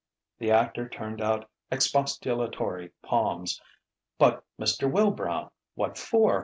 The actor turned out expostulatory palms. "But, Mr. Wilbrow, what for?